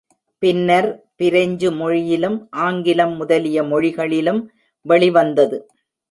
பின்னர் பிரெஞ்சு மொழியிலும், ஆங்கிலம் முதலிய மொழிகளிலும் வெளி வந்தது.